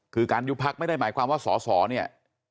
คือการยุบพักไม่ได้หมายความว่าสอสอเนี่ย